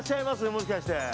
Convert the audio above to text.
もしかして。